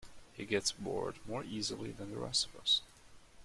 He gets bored more easily than the rest of us.